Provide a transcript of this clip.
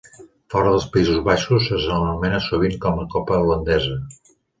Fora dels Països Baixos, se l'anomena sovint com a la Copa holandesa.